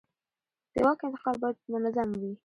د واک انتقال باید منظم وي